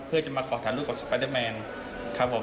เพื่อจะมาขอถ่ายรูปกับสปาเดอร์แมนครับผม